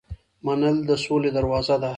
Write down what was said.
منل د سولې دروازه ده.